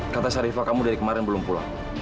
kata syarifah kamu dari kemarin belum pulang